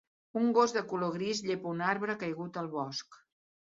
Un gos de color gris llepa un arbre caigut al bosc